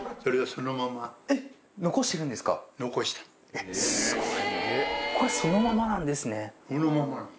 えっすごい。